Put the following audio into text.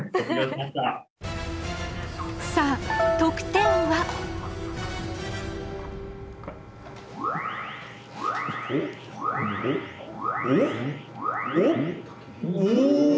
さあ得点はお！